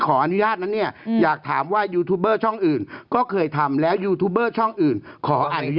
ก็แสดงว่าไม่ที่ขอเหมือนกัน